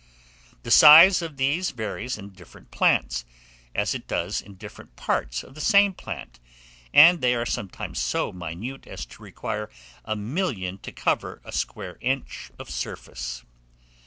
The size of these varies in different plants, as it does in different parts of the same plant, and they are sometimes so minute as to require a million to cover a square inch of surface.